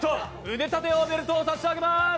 腕立て王ベルトを差し上げます。